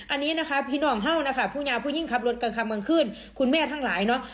อันนี้นะครับพี่น้องเห่าน่ะครับผู้หญ้าผู้หญิงขับรถการขับหมวงขึ้นคุณแม่ทั้งหลายเนาะ